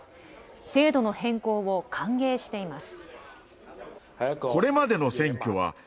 制度の変更を歓迎しています。